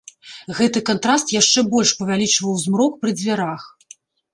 Гэты кантраст яшчэ больш павялічваў змрок пры дзвярах.